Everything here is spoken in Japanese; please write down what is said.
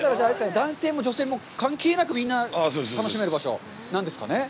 男性も女性も関係なく、みんな楽しめる場所なんですかね。